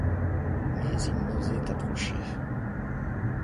Mais ils n’osaient approcher.